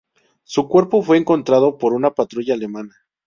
Su cuerpo fue encontrado por una patrulla alemana.